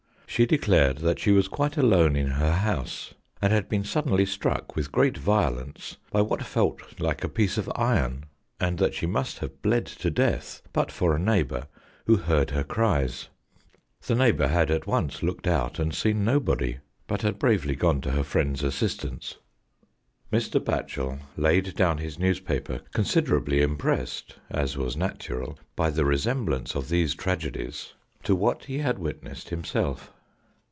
She declared that she was quite alone in her house and had been suddenly struck with great violence by what felt like a piece of iron, and that she must have bled to death but for a neigh bour who heard her cries. The neighbour had at once looked out and seen nobody, but had bravely gone to her friend's assistance. Mr. Batchel laid down his newspaper considerably impressed, as was natural, by the resemblance of these tragedies to what he had 120 THE BOCKEBT. witnessed himself.